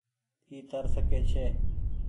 اي تر سڪي ڇي۔